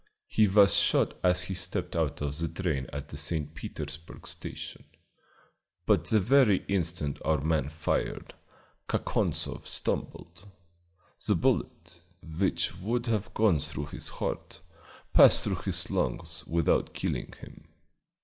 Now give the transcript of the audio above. He was shot as he stepped out of the train at the St. Petersburg station, but the very instant our man fired, Kakonzoff stumbled. The bullet, which should have gone through his heart, passed through his lungs without killing him."